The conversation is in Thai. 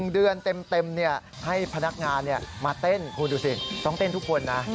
๑เดือนเต็มให้พนักงานมาเต้นคุณดูสิต้องเต้นทุกคนนะ